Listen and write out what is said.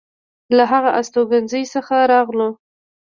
له هغه استوګنځي څخه راغلو.